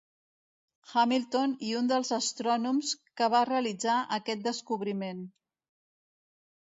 Hamilton i un dels astrònoms que va realitzar aquest descobriment.